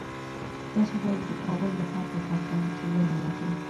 تاسو باید د کابل د ښار په پاکوالي کي ونډه واخلئ.